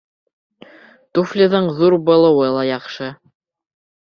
Туфлиҙың ҙур булыуы ла яҡшы.